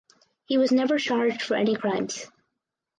He was never charged for any crimes.